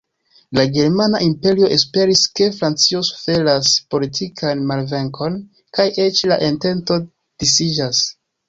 La Germana Imperio esperis, ke Francio suferas politikan malvenkon kaj eĉ la entento disiĝas.